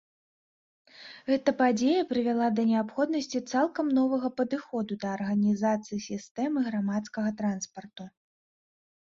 Гэта падзея прывяла да неабходнасці цалкам новага падыходу да арганізацыі сістэмы грамадскага транспарту.